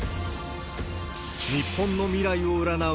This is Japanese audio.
日本の未来を占う